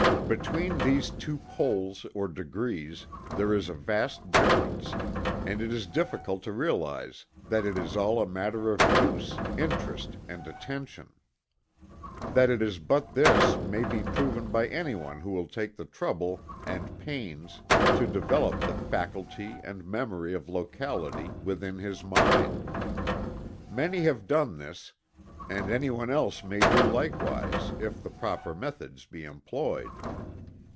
Between these two poles or degrees there is a vast difference, and it is difficult to realize that it is all a matter of use, interest and attention. That it is but this may be proven by anyone who will take the trouble and pains to develop the faculty and memory of locality within his mind. Many have done this, and anyone else may do likewise if the proper methods be employed.